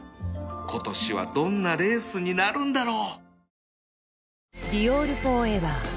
今年はどんなレースになるんだろう